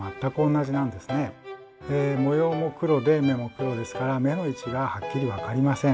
模様も黒で目も黒ですから目の位置がはっきり分かりません。